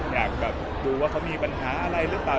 แบบดูว่าเขามีปัญหาอะไรหรือเปล่า